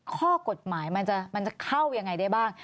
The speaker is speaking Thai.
ข้อกฎหมายมันจะเข้ายังไงได้บ้าง